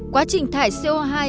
quá trình thải co hai